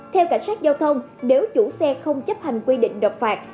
theo cảnh sát giao thông nếu chủ xe không chấp hành quy định đọc phạt